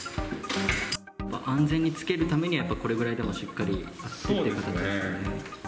安全につけるためには、やっぱりこれぐらいしっかり必要ですね。